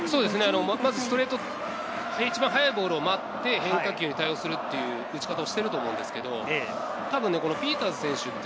まずストレートで一番速いボールを待って、変化球に対応するという打ち方をしていると思うんですけど、たぶんピーターズ選手って